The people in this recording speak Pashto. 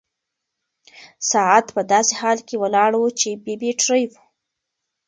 ساعت په داسې حال کې ولاړ و چې بې بيټرۍ و.